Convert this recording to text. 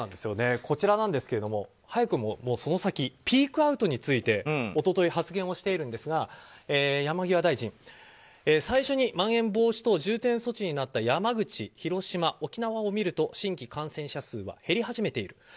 こちらなんですが早くもその先ピークアウトについて一昨日発言をしているんですが山際大臣、最初にまん延防止等重点措置になった山口、広島、沖縄を見ると新規感染者数は減り始めている。